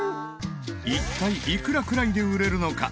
一体いくらくらいで売れるのか？